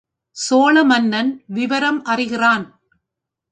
சோழ மன்னன் விவரம் அறிகிறான்.